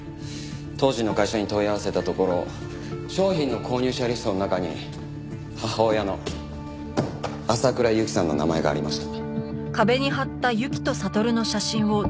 当時の会社に問い合わせたところ商品の購入者リストの中に母親の浅倉雪さんの名前がありました。